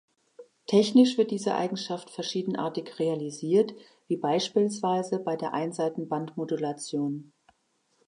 Technisch wird diese Eigenschaft verschiedenartig realisiert wie beispielsweise bei der Einseitenbandmodulation.